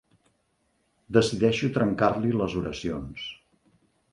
Decideixo trencar-li les oracions.